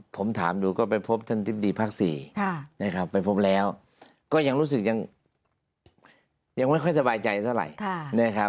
ผมถามดูก็ไปพบท่านทิศดีภาค๔ไปพบแล้วก็ยังรู้สึกยังยังไม่ค่อยสบายใจเท่าไหร่